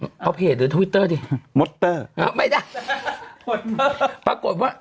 อื้อเอาเพจหรือทวิตเตอร์ดีมดตเตอร์อ๋อไม่ได้โปรดเตอร์ปรากฏว่า